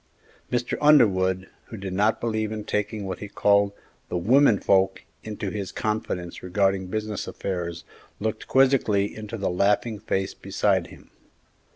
Mr. Underwood, who did not believe in taking what he called the "women folks" into his confidence regarding business affairs, looked quizzically into the laughing face beside him.